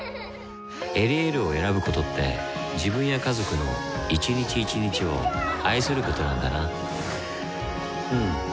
「エリエール」を選ぶことって自分や家族の一日一日を愛することなんだなうん。